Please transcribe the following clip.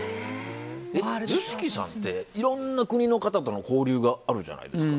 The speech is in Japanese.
ＹＯＳＨＩＫＩさんっていろんな国の方との交流があるじゃないですか。